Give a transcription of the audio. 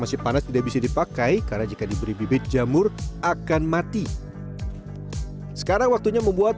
masih panas tidak bisa dipakai karena jika diberi bibit jamur akan mati sekarang waktunya membuat